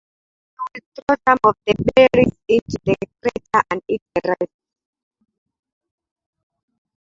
He would throw some of the berries into the crater and eat the rest.